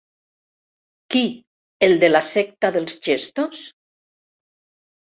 Qui, el de la secta dels gestos?